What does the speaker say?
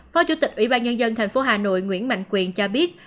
phó chủ tịch ủy ban nhân dân tp hà nội nguyễn mạnh quyền cho biết